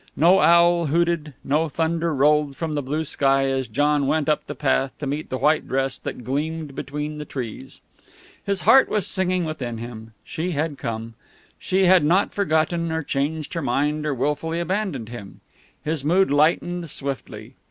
No owl hooted, no thunder rolled from the blue sky as John went up the path to meet the white dress that gleamed between the trees. His heart was singing within him. She had come. She had not forgotten, or changed her mind, or willfully abandoned him. His mood lightened swiftly.